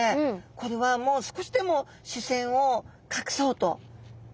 これはもう少しでも視線を隠そうとお目目をですね